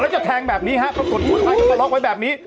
แล้วจะแทงแบบนี้ฮะ